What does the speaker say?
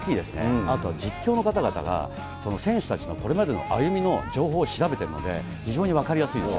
あとは実況の方々が、選手たちのこれまでの歩みの情報を調べているので、非常に分かりやすいです